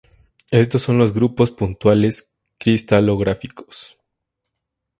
Estos son los grupos puntuales cristalográficos.